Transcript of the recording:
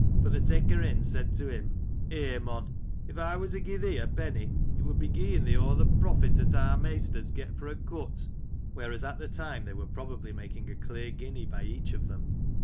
But th' taker in said to him :* Eh mon ! if I wur to gie thee a penny it would be gieing thee o th* profit 'at our maisters get fro* a cut ! (whereas at the time they were probably making a clear guinea by each of them.)